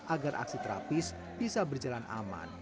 agar aksi terapis bisa berjalan aman